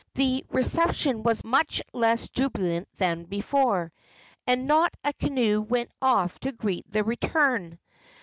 Their reception was much less jubilant than before, and not a canoe went off to greet their return.